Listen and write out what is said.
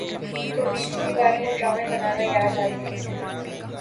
تو B B C والوں کو ڈرامے بنانا یاد آگئے ہیں